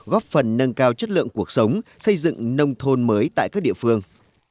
góp phần nâng cao chất lượng cuộc sống xây dựng nông thôn mới tại các địa phương